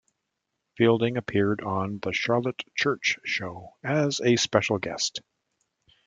Fielding appeared on "The Charlotte Church Show" as a special guest.